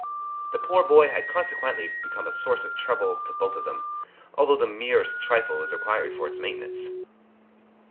The poor boy had consequently become a source of trouble to both of them, although the merest trifle was required for its maintenance.